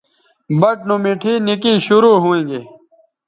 بَٹ نو مٹھے نکئ شروع ھویں گے